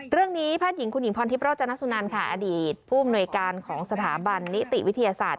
แพทย์หญิงคุณหญิงพรทิพย์โรจนสุนันค่ะอดีตผู้อำนวยการของสถาบันนิติวิทยาศาสตร์